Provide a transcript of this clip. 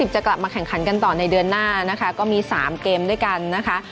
จะกลับมาแข่งขันกันต่อในเดือนหน้านะคะก็มี๓เกมด้วยกันนะคะ